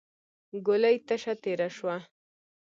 ګولۍ تشه تېره شوه.